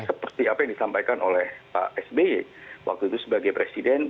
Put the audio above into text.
seperti apa yang disampaikan oleh pak sby waktu itu sebagai presiden